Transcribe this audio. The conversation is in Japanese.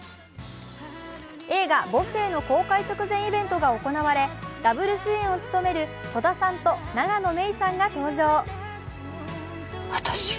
映画「母性」の公開直前イベントが行われダブル主演を務める戸田さんと永野芽郁さんが登場。